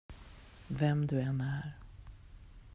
Vem du än är.